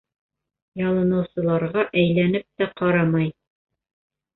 Ялыныусыларға әйләнеп тә ҡарамай.